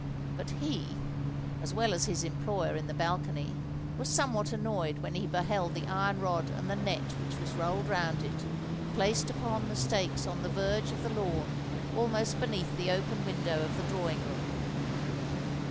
But he—as well as his employer in the balcony—was somewhat annoyed when he beheld the iron rod and the net which was rolled round it, placed upon the stakes on the verge of the lawn almost beneath the open window of the drawing room.